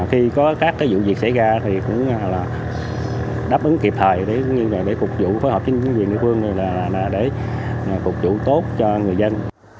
khi có các vụ việc xảy ra đáp ứng kịp thời phục vụ phối hợp với nhân viên địa phương phục vụ tốt cho người dân